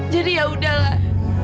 jadi ya udahlah